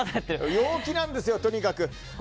陽気なんですよ、とにかく。